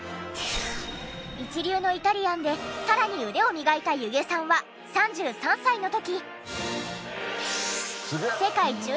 一流のイタリアンでさらに腕を磨いた弓削さんは３３歳の時。